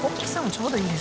ちょうどいい。